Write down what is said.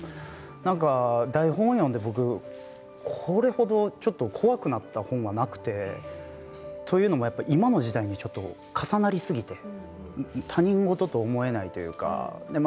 なんか台本を読んで僕これほど怖くなった本はなくてというのも今の時代にちょっと重なりすぎて他人ごとと思えないというか。